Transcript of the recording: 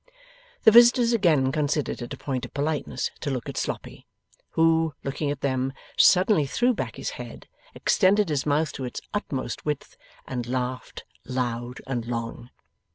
The visitors again considered it a point of politeness to look at Sloppy, who, looking at them, suddenly threw back his head, extended his mouth to its utmost width, and laughed loud and long.